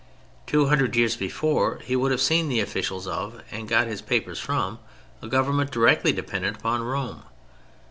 Two hundred years before he would have seen the officials of, and got his papers from, a government directly dependent upon Rome.